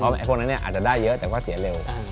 เพราะพวกนั้นอาจจะได้เยอะแต่เสียเร็ว